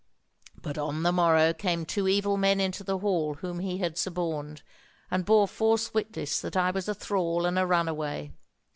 But on the morrow came two evil men into the hall whom he had suborned, and bore false witness that I was a thrall and a runaway.